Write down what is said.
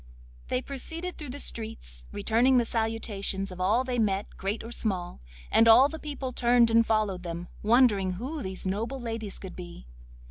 They proceeded through the streets, returning the salutations of all they met, great or small, and all the people turned and followed them, wondering who these noble ladies could be.